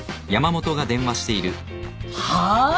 はあ！？